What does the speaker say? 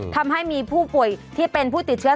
ทำให้มีผู้ป่วยที่เป็นผู้ติดเชื้อ